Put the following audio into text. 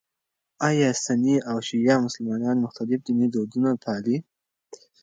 ایا سني او شیعه مسلمانان مختلف ديني دودونه پالي؟